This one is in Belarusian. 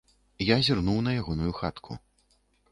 Я зірнуў на ягоную хатку.